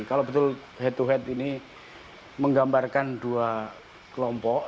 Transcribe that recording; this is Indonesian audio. kalau betul head to head ini menggambarkan dua kelompok